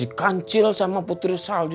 si kancil sama putri salju